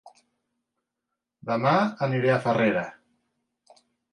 Dema aniré a Farrera